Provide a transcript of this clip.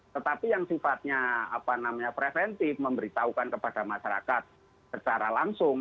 tetapi yang sifatnya preventif memberitahukan kepada masyarakat secara langsung